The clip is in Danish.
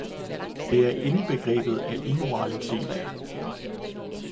Det er indbegrebet af immoralitet.